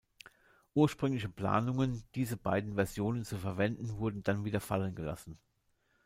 Ursprüngliche Planungen, diese beiden Versionen zu verwenden wurden dann wieder fallen gelassen.